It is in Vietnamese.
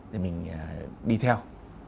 để mình đi theo